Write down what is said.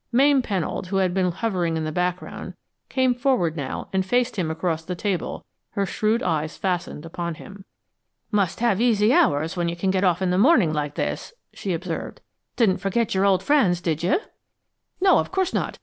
Mame Pennold, who had been hovering in the background, came forward now and faced him across the table, her shrewd eyes fastened upon him. "Must have easy hours, when you can get off in the morning like this?" she observed. "Didn't forget your old friends, did you?" "No, of course not.